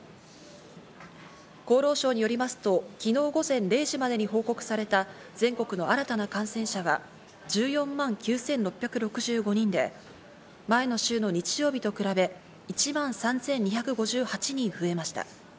厚労省によりますと、昨日午前０時までに報告された全国の新たな感染者は１４万９６６５人で、前の週の日曜日と比べ、１万３２５８人増えました。